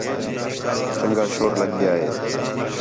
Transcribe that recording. چَنڳا شور لڳ ڳِیا ہِے